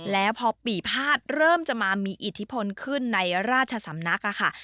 แล้วพอปีภาษเริ่มจะมามีอิทธิพลขึ้นในราชสำนักค่ะ